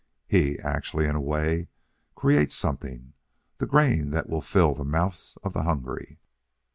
He actually, in a way, creates something, the grain that will fill the mouths of the hungry."